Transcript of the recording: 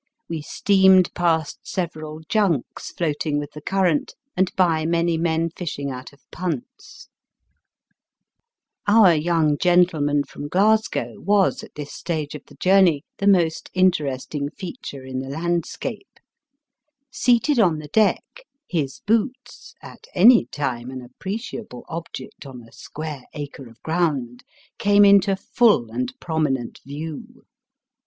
We steamed past several junks floating with the current, and by many men fishing out of punts. Digitized by VjOOQIC 280 BAST BY WEST. Our young gentleman from Glasgow was at this stage of the journey the most interesting feature in the landscape* Seated on the deck, his boots, at any time an appreciable object on a square acre of ground, came into full and prominent view.